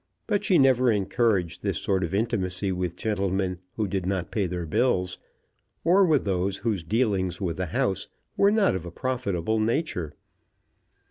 But she never encouraged this sort of intimacy with gentlemen who did not pay their bills, or with those whose dealings with the house were not of a profitable nature.